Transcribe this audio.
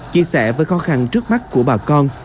chia sẻ với khó khăn trước mắt của bà con